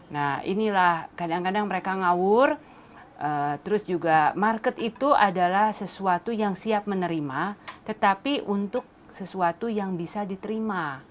nah inilah kadang kadang mereka ngawur terus juga market itu adalah sesuatu yang siap menerima tetapi untuk sesuatu yang bisa diterima